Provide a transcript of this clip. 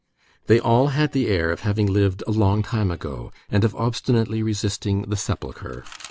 They all had the air of having lived a long time ago, and of obstinately resisting the sepulchre.